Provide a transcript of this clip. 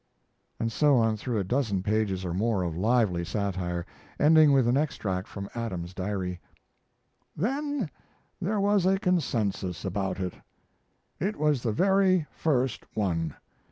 And so on through a dozen pages or more of lively satire, ending with an extract from Adam's Diary. Then there was a Consensus about it. It was the very first one.